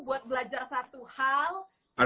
buat belajar satu hal